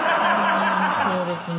そうですね。